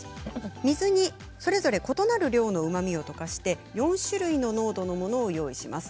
水にそれぞれ異なる量のうまみを溶かして４種類の濃度のものを用意します。